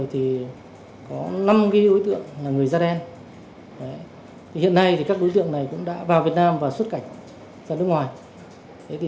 hiện nay các đối tượng này cũng đã vào việt nam và xuất cảnh ra nước ngoài